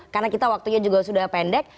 karena kita waktunya juga sudah pendek